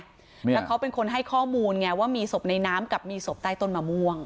แล้วเขาเป็นคนให้ข้อมูลไงว่ามีศพในน้ำกับมีศพใต้ต้นมะม่วง